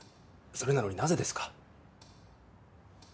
それなのになぜですか？